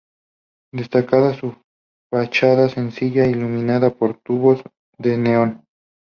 Destacaba su fachada sencilla iluminada por tubos de neón.